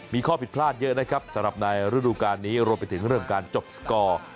มีข้อผิดพลาดเยอะนะครับสำหรับในฤดูการนี้รวมไปถึงเรื่องการจบสกอร์